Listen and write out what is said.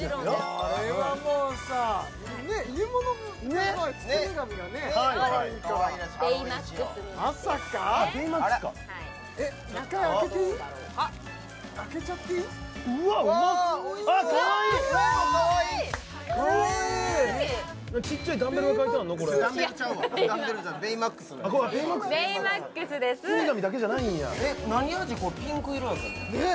これピンク色やけどねえ